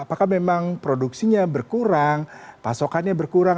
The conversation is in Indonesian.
apakah memang produksinya berkurang pasokannya berkurang